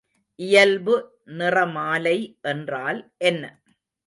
இயல்பு நிறமாலை என்றால் என்ன?